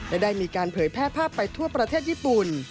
และได้มีการเผยแพร่ภาพไปทั่วประเทศญี่ปุ่น